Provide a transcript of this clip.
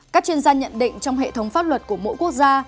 các chuyên gia nhận định trong hệ thống pháp luật của mỗi quốc gia